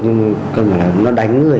nhưng mà cần phải là nó đánh người